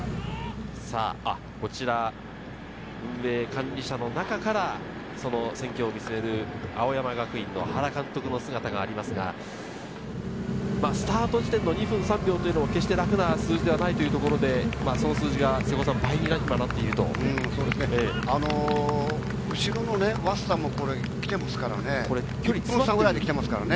こちら運営管理車の中から戦況を見つめる、青山学院の原監督の姿がありますが、スタート時点の２分３秒というのは決して楽な数字ではないというところで、その数字が今、倍にはなってるという後ろの早稲田も来てますからね。